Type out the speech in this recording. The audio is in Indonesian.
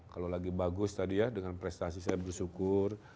kalau lagi bagus tadi ya dengan prestasi saya bersyukur